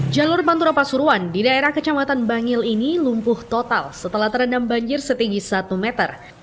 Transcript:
jalur pantura pasuruan di daerah kecamatan bangil ini lumpuh total setelah terendam banjir setinggi satu meter